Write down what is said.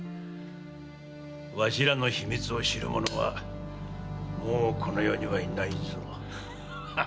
わしらの秘密を知る者はもうこの世にはいないぞ。